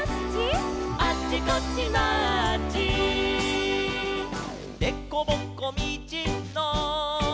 「あっちこっちマーチ」「でこぼこみちの」